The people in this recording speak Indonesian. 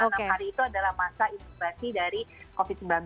karena hari itu adalah masa inkubasi dari covid sembilan belas